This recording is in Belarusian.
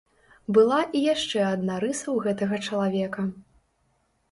Была і яшчэ адна рыса ў гэтага чалавека.